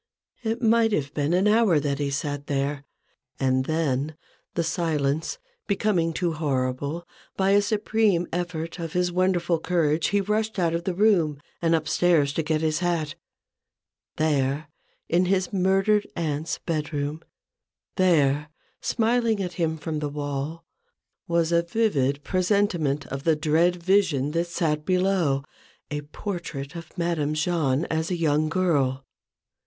It might have been an hour that he sat there ; and then, the silence becoming too horrible, by a supreme effort of his wonderful courage he rushed out of the room and up stairs to get his hat. There in his murdered aunt's bedroom, —there, smiling at him from the wall — was a vivid presentment of THE BUSINESS OF MADAME JAHN. 93 the dread vision that sat below : a portrait of Madame Jahn as a young girl.